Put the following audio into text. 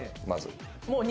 まず。